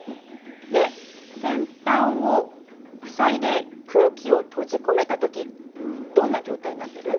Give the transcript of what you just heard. で先端を塞いで空気を閉じ込めた時どんな状態になってる？